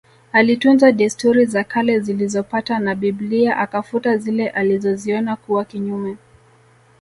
Alitunza desturi za kale zilizopatana na Biblia akafuta zile alizoziona kuwa kinyume